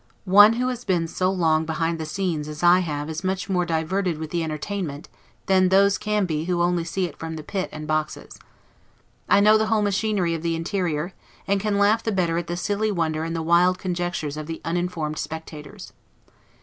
One who has been so long behind the scenes as I have is much more diverted with the entertainment, than those can be who only see it from the pit and boxes. I know the whole machinery of the interior, and can laugh the better at the silly wonder and wild conjectures of the uninformed spectators.